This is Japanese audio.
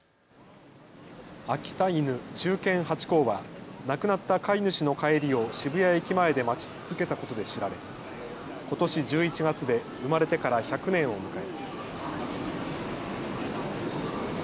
秋田犬、忠犬ハチ公は亡くなった飼い主の帰りを渋谷駅前で待ち続けたことで知られ、ことし１１月で生まれてから１００年を迎えます。